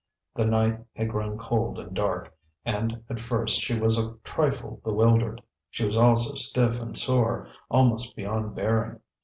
The night had grown cold and dark, and at first she was a trifle bewildered. She was also stiff and sore, almost beyond bearing.